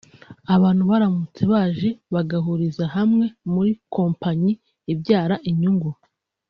Abantu baramutse baje bagahuriza hamwe muri kompanyi ibyara inyungu